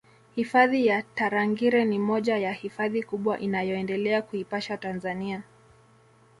Hifadhi ya Tarangire ni moja ya Hifadhi kubwa inayoendelea kuipaisha Tanzania